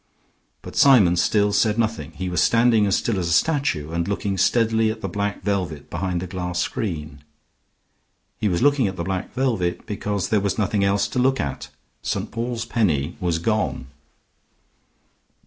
But Symon still said nothing. He was standing as still as a statue, and looking steadily at the black velvet behind the glass screen. He was looking at the black velvet because there was nothing else to look at. St. Paul's Penny was gone.